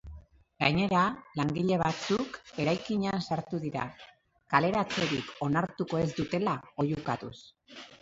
Gainera, langile batzuk eraikinean sartu dira, kaleratzerik onartuko ez dutela oihukatuz.